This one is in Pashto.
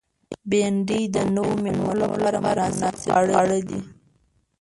بېنډۍ د نوو مېلمنو لپاره مناسب خواړه دي